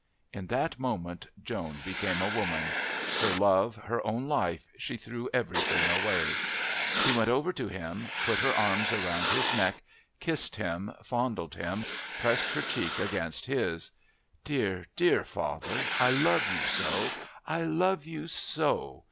In that moment Joan became a woman. Her love, her own life, she threw everything away. She went over to him, put her arms around his neck, kissed tim, fondled him, pressing her cheek against his. "Dear, dear father. I love you so. I love you so.